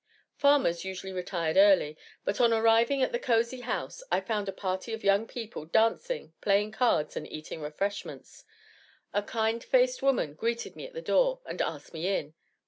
Farmers usually retired early; but on arriving at the cozy house, I found a party of young people dancing, playing cards, and eating refreshments. A kind faced woman greeted me at the door, and asked me in.